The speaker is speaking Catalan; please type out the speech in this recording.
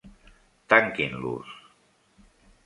Tanquin-los.